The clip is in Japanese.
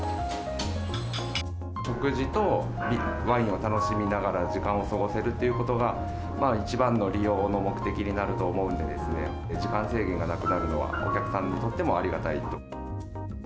食事とワインを楽しみながら、時間を過ごせるということが、一番の利用の目的になると思うので、時間制限がなくなるのは、お客さんにとってもありがたいと。